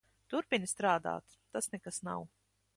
Turpini strādāt. Tas nekas nav.